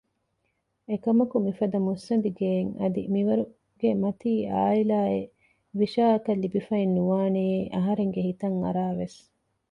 އެކަމަކު މިފަދަ މުއްސަނދި ގެޔެއް އަދި މިވަރުގެ މަތީ އާއިލާއެއް ވިޝާއަކަށް ލިބިފައެއް ނުވާނެޔޭ އަހަރެންގެ ހިތަށް އަރާވެސް